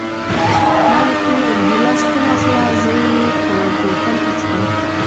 ما ورته وویل: ګیلاس ته واخله، زه یې په بوتل کې څښم.